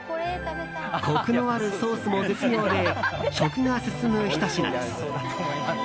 コクのあるソースも絶妙で食が進むひと品です。